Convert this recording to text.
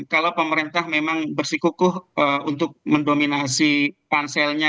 kalau pemerintah memang bersikukuh untuk mendominasi panselnya